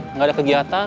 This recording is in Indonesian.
enggak ada kegiatan